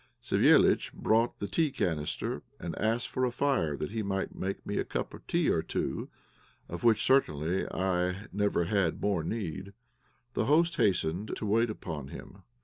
Savéliitch brought the tea canister, and asked for a fire that he might make me a cup or two of tea, of which, certainly, I never had more need. The host hastened to wait upon him.